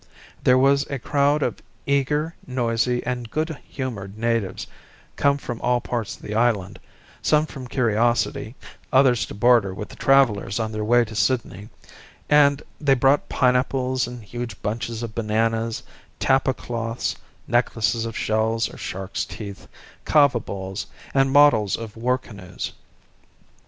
There was a crowd of eager, noisy, and good humoured natives come from all parts of the island, some from curiosity, others to barter with the travellers on their way to Sydney; and they brought pineapples and huge bunches of bananas, tapa cloths, necklaces of shells or sharks' teeth, kava bowls, and models of war canoes.